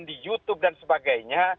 di youtube dan sebagainya